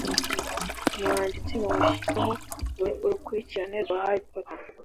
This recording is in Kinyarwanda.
umwanditsi nuwashizeho urukurikirane rwa Harry Potter